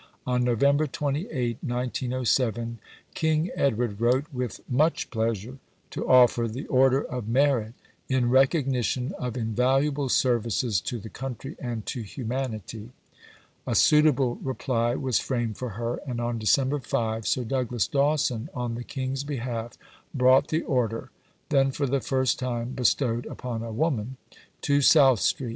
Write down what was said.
On November 28, 1907, King Edward wrote with "much pleasure," to offer the Order of Merit "in recognition of invaluable services to the country and to humanity." A suitable reply was framed for her, and on December 5, Sir Douglas Dawson, on the King's behalf, brought the Order then for the first time bestowed upon a woman to South Street.